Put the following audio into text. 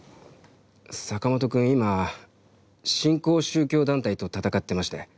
坂本君今新興宗教団体と闘ってまして。